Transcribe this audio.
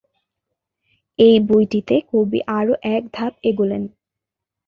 এই বইটিতে কবি আরও এক ধাপ এগুলেন।